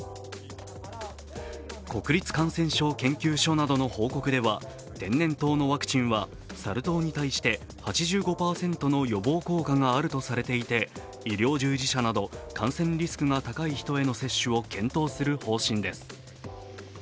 国立感染症研究所などの報告では天然痘のワクチンはサル痘に対して８５％の予防効果があるとされていて、医療従事者など感染リスクが高い人への接種を検討する方針です。